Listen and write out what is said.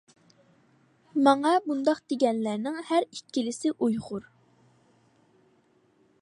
ماڭا بۇنداق دېگەنلەرنىڭ ھەر ئىككىلىسى ئۇيغۇر.